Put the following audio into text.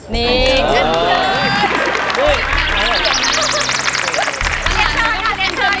นี่อันเชิญ